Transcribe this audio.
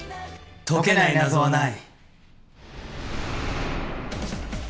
解けない謎はない。